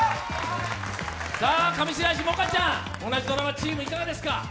上白石萌歌ちゃん、同じドラマチームいかがですか？